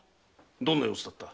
どんな様子だった？